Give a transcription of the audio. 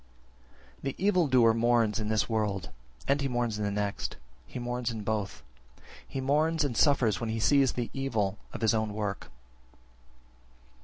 15. The evil doer mourns in this world, and he mourns in the next; he mourns in both. He mourns and suffers when he sees the evil of his own work.